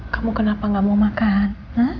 kamu kenapa gak mau makan